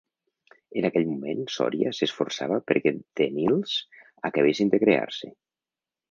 En aquell moment, Soria s'esforçava perquè The Nils acabessin de crear-se.